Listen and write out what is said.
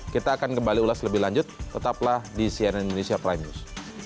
kita akan kembali ulas lebih lanjut tetaplah di cnn indonesia prime news